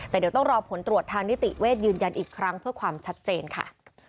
แต่เดี๋ยวต้องรอผลตรวจทางนิติเวทยืนยันอีกครั้งเพื่อความชัดเจนค่ะ